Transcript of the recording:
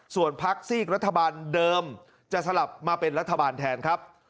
ส่วนพักซีกรัฐบาลเดิมจะสลับมาเป็นรัฐบาลแทนครับ